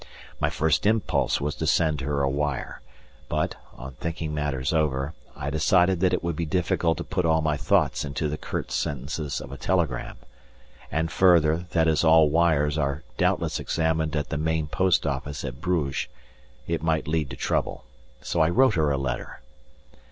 My first impulse was to send her a wire, but, on thinking matters over, I decided that it would be difficult to put all my thoughts into the curt sentences of a telegram, and, further, that as all wires are doubtless examined at the Main Post Office at Bruges, it might lead to trouble, so I wrote her a letter.